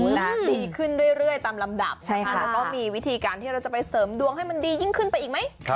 ดีขึ้นเรื่อยตามลำดับนะคะแล้วก็มีวิธีการที่เราจะไปเสริมดวงให้มันดียิ่งขึ้นไปอีกไหม